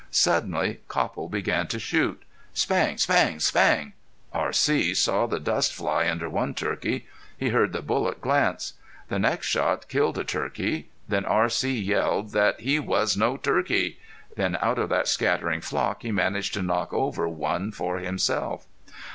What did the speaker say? Suddenly Copple began to shoot. Spang! Spang! Spang! R.C. saw the dust fly under one turkey. He heard the bullet glance. The next shot killed a turkey. Then R.C. yelled that he was no turkey! Then of that scattering flock he managed to knock over one for himself.